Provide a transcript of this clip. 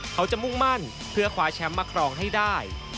เขาจะมุ่งมั่นเพื่อคว้าแชมป์มาครองให้ได้